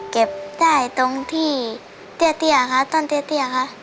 เก็บได้ตรงที่เตี้ยค่ะต้นเตี้ยค่ะ